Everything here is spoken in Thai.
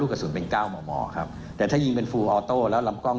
กระสุนเป็นเก้ามอมอครับแต่ถ้ายิงเป็นฟูออโต้แล้วลำกล้อง